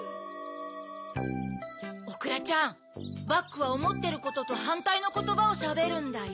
おくらちゃんバックはおもってることとはんたいのことばをしゃべるんだよ。